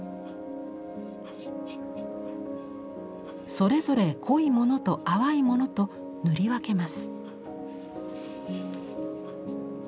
それぞれ濃いものと淡いものと塗り分けます。